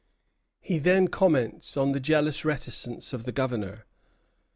Then he comments on the jealous reticence of the Governor.